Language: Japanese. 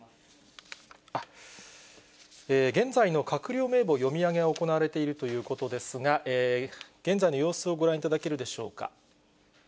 現在の閣僚名簿、読み上げが行われているということですが、現在の様子をご覧いただけるでしょうか。